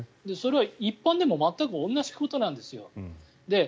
それは一般でも全く同じことなんですよ。